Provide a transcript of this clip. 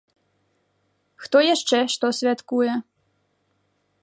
Хто яшчэ што святкуе?